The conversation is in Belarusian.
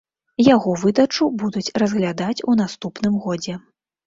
Яго выдачу будуць разглядаць у наступным годзе.